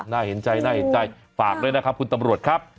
น่าเห็นใจฝากเลยนะครับคุณตำรวจครับ